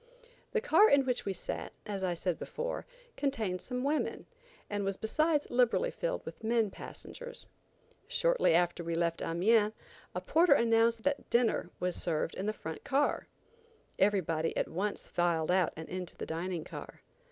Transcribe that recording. The car in which we sat, as I said before, contained some women, and was besides liberally filled with men passengers. Shortly after we left Amiens, a porter announced that dinner was served in a front car. Everybody at once filed out and into the dining car.